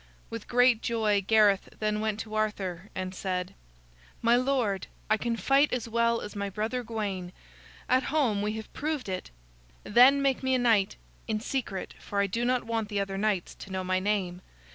With great joy Gareth then went to Arthur and said: "My lord, I can fight as well as my brother Gawain. At home we have proved it. Then make me a knight, in secret, for I do not want the other knights to know my name.